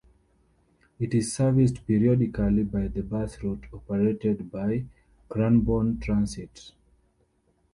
It is serviced periodically by the bus route operated by Cranbourne Transit.